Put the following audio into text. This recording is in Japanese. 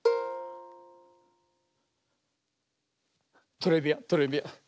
トレビアントレビアン。